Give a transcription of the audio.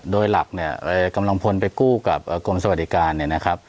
โดยหลักเนี่ยกำลังพลไปกู้กับกรมสวัสดิการเนี่ยนะครับ